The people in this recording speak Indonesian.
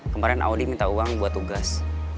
kemarin audi minta uang buat tugas